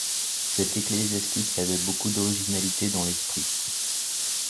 Cet ecclésiastique avait beaucoup d’originalité dans l’esprit.